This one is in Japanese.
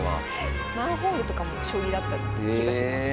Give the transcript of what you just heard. マンホールとかも将棋だった気がします。